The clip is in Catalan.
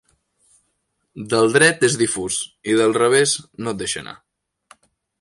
Del dret és difús i del revés no et deixa anar.